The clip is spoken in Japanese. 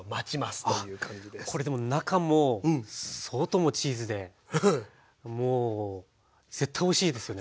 これでも中も外もチーズでもう絶対おいしいですよね。